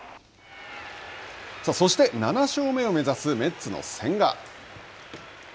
そして、７勝目を目指すメッツの千賀。